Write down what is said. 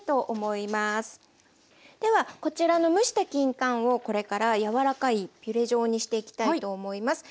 ではこちらの蒸したきんかんをこれから柔らかいピュレ状にしていきたいと思います。